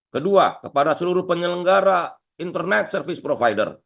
kedua kepada seluruh penyelenggara internet service provider